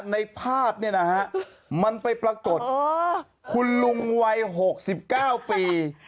ในภาพมันไปปรากฏคุณลุงวัย๖๙ปี